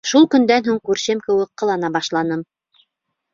Шул көндән һуң күршем кеүек ҡылана башланым.